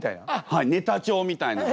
はいネタ帳みたいな。